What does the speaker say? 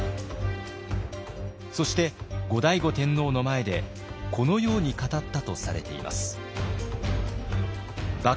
そして後醍醐天皇の前でこのように語ったとされています。